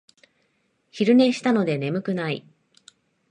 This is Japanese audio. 昼寝したので眠くない